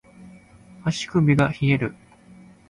足首が冷える